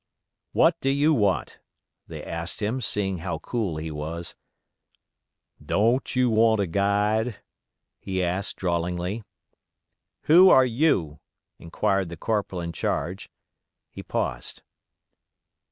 "What do you want?" they asked him, seeing how cool he was. "Don't you want a guide?" he asked, drawlingly. "Who are you?" inquired the corporal in charge. He paused.